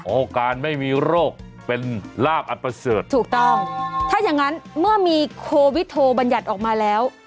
การไม่มีโรคเป็นลาบอันประเสริฐถูกต้องถ้าอย่างงั้นเมื่อมีโควิโทบัญญัติออกมาแล้ว